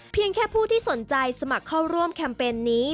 แค่ผู้ที่สนใจสมัครเข้าร่วมแคมเปญนี้